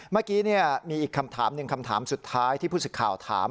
เมื่อกี้มีอีกคำถามหนึ่งคำถามสุดท้ายที่ผู้สิทธิ์ข่าวถาม